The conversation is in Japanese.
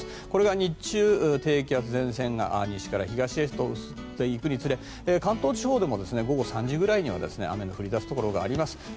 これが日中、低気圧、前線が西から東へと進んでいくにつれ関東地方でも午後３時ぐらいには雨が降り出すところがあります。